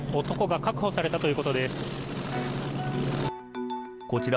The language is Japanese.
男が確保されたということです。